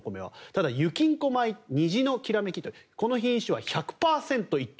ただ、ゆきん子舞にじのきらめきというこの品種は１００％一等